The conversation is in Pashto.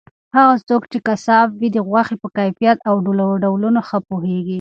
هغه څوک چې قصاب وي د غوښې په کیفیت او ډولونو ښه پوهیږي.